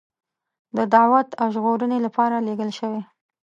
د دعوت او ژغورنې لپاره لېږل شوی.